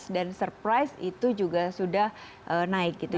dan surprise itu juga sudah naik gitu